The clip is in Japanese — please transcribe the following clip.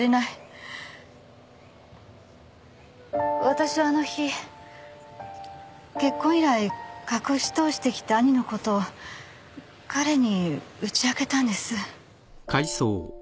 私はあの日結婚以来隠し通してきた兄のことを彼に打ち明けたんです。